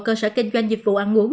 cơ sở kinh doanh dịch vụ ăn uống